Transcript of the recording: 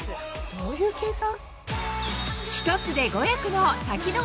どういう計算？